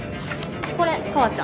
これカワちゃん